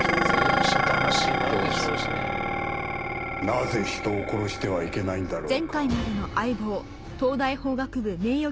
なぜ人を殺してはいけないんだろうか？